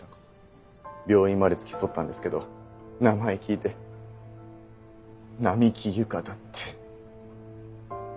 病院まで付き添ったんですけど名前聞いて「並木優香」だって。